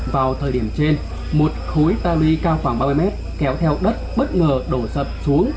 vào thời điểm trên một khối tami cao khoảng ba mươi mét kéo theo đất bất ngờ đổ sập xuống